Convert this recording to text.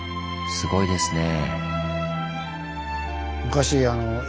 すごいですねぇ。